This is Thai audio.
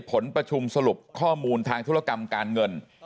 ผลประชุมสรุปข้อมูลทางธุรกรรมการเงิน